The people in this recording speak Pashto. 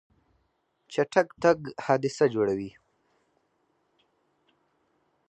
چټک تګ حادثه جوړوي.